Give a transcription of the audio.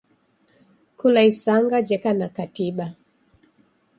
Kula isanga jeka na katiba.